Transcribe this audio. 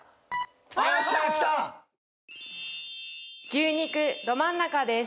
牛肉どまん中です。